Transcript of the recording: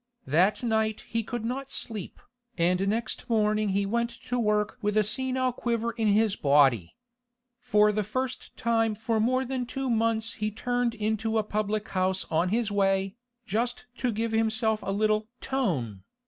That night he could not sleep, and next morning he went to work with a senile quiver in his body. For the first time for more than two months he turned into a public house on his way, just to give himself a little 'tone.